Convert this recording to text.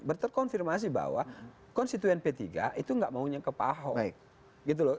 berterkonfirmasi bahwa konstituen p tiga itu gak maunya ke pak hock